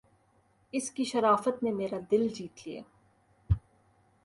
اس کی شرافت نے میرا دل جیت لیا